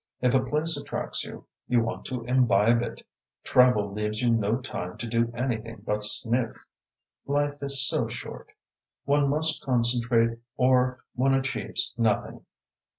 If a place attracts you, you want to imbibe it. Travel leaves you no time to do anything but sniff. Life is so short. One must concentrate or one achieves nothing.